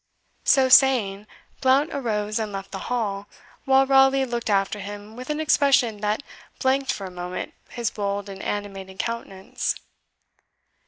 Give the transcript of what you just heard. So saying, Blount arose and left the hall, while Raleigh looked after him with an expression that blanked for a moment his bold and animated countenance.